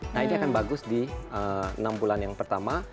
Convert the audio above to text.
nah ini akan bagus di enam bulan yang pertama